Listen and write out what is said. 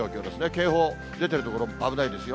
警報出てる所、危ないですよ。